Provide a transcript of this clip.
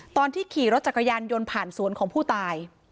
ตอนที่ขี่รถจักรยานยนต์ผ่านสวนของผู้ตาย